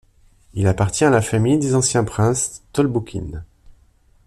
Il appartient à la famille des anciens princes Tolboukine.